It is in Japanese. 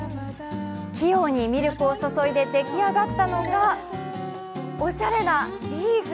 器用にミルクを注いで出来上がったのがおしゃれなリーフ。